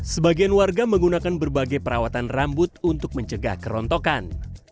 sebagian warga menggunakan berbagai perawatan rambut untuk mencegah kerontokan